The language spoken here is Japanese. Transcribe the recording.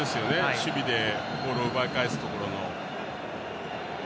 守備でボールを奪い返すところの。